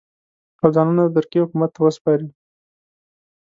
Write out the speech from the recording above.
او ځانونه د ترکیې حکومت ته وسپاري.